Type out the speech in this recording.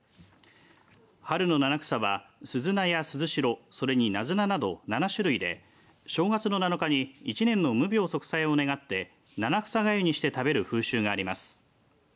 春の七草はスズナやスズシロそれにナズナなど７種類で正月の７日に１年の無病息災を願って七草がゆにして食べる風習があります。